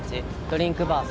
ドリンクバー３。